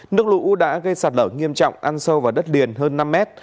nước lũ đã gây sạt lở nghiêm trọng ăn sâu vào đất liền hơn năm mét